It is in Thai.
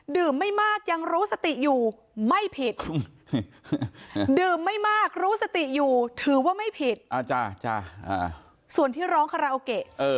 ไม่มากยังรู้สติอยู่ไม่ผิดดื่มไม่มากรู้สติอยู่ถือว่าไม่ผิดส่วนที่ร้องคาราโอเกะ